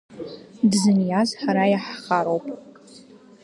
Дзыниаз ҳара иаҳхароуп.